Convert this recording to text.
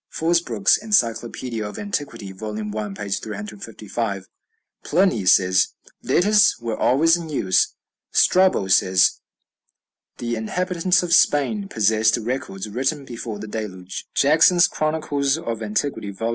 (Fosbroke's "Encyclopædia of Antiquity," vol. i., p. 355.) Pliny says, "Letters were always in use." Strabo says, "The inhabitants of Spain possessed records written before the Deluge." (Jackson's "Chronicles of Antiquity," vol.